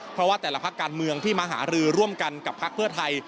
เพราะว่าแต่ละพักการเมืองที่มาหารือร่วมกันกับพักเพื่อไทย